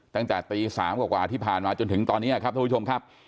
ตั้งแต่ตี๓กว่าที่ผ่านมาจนถึงตอนนี้ครับท่านผู้ชมครับ